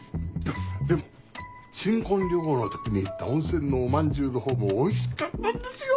でも新婚旅行の時に行った温泉のおまんじゅうのほうもおいしかったんですよ！